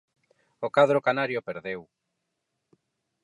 O cadro canario perdeu.